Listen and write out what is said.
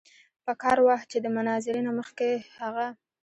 پکار وه چې د مناظرې نه مخکښې هغه